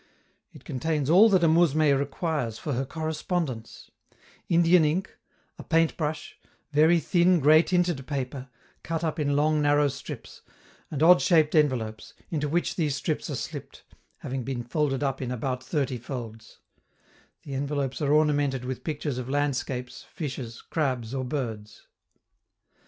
It contains all that a mousme requires for her correspondence: Indian ink, a paintbrush, very thin, gray tinted paper, cut up in long narrow strips, and odd shaped envelopes, into which these strips are slipped (having been folded up in about thirty folds); the envelopes are ornamented with pictures of landscapes, fishes, crabs, or birds.